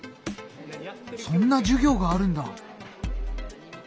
そんな授業があるんだ！